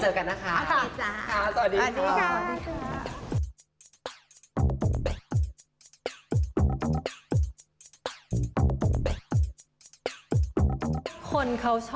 ใช่ค่ะ